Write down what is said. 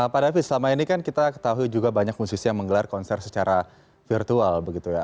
pak david selama ini kan kita ketahui juga banyak musisi yang menggelar konser secara virtual begitu ya